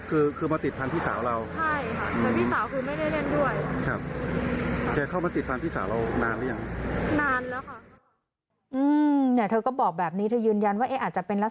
รู้จักค่ะเหมือนเขาจะมาตามดูพี่สาวแต่พี่สาวไม่เล่นด้วย